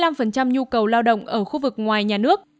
tập trung chín mươi năm nhu cầu lao động ở khu vực ngoài nhà nước